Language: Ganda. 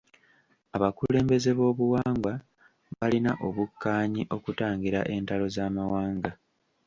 Abakulembeze b'obuwangwa balina okukkanyi okutangira entalo z'amawanga.